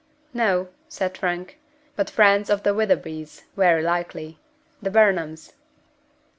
"No," said Frank; "but friends of the Witherbys, very likely. The Burnhams."